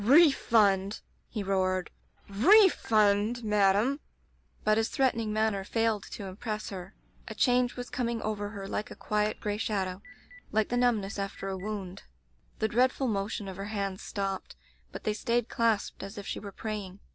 "' Refund !' he roared —* Refund y madam! ' "But his threatening manner failed to im press her. A change was coming over her, like a quiet gray shadow — ^like the numb ness after a wound. The dreadful motion of her hands stopped, but they stayed clasped as if she were praying.